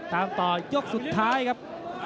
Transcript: ตามต่อยกสุดท้ายครับ